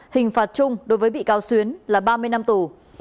hình phạt chung đối với bị cáo xuyến là ba mươi năm tù